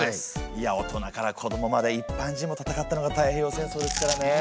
いや大人から子どもまで一般人も戦ったのが太平洋戦争ですからね。